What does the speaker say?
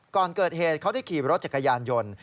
ก่อนเกิดเหตุเขาได้ขี่รถจักรยานยนต์